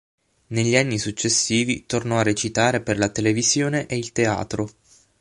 Negli anni successivi tornò a recitare per la televisione e il teatro.